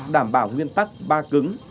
đảm bảo nguyên tắc ba cứng